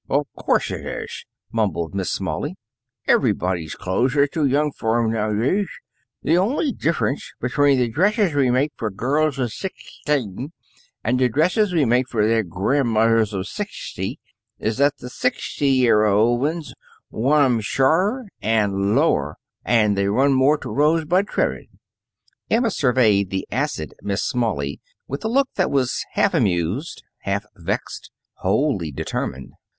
"Of course it is," mumbled Miss Smalley. "Everybody's clothes are too young for 'em nowadays. The only difference between the dresses we make for girls of sixteen and the dresses we make for their grandmothers of sixty is that the sixty year old ones want 'em shorter and lower, and they run more to rose bud trimming." Emma surveyed the acid Miss Smalley with a look that was half amused, half vexed, wholly determined.